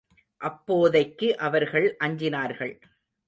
அப்போதைக்கு அவர்கள் அஞ்சினார்கள்.